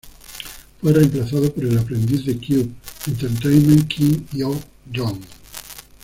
Fue reemplazado por el aprendiz de Cube Entertainment, Kim Hyo Jong.